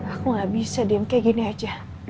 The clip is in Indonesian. aku gak bisa diem kayak gini aja